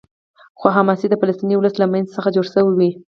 خو حماس د فلسطیني ولس له منځ څخه جوړ شو.